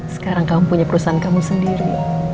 sekarang kamu punya perusahaan kamu sendiri